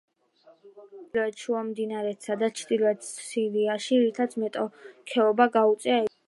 ილაშქრა ჩრდილოეთ შუამდინარეთსა და ჩრდილოეთ სირიაში, რითაც მეტოქეობა გაუწია ეგვიპტეს.